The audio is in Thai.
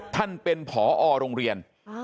ท่านเป็นผอโรงเรียน